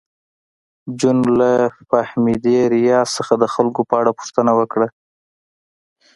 جون له فهمیدې ریاض څخه د خلکو په اړه پوښتنه وکړه